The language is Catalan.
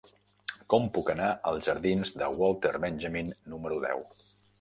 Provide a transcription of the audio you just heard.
Com puc anar als jardins de Walter Benjamin número deu?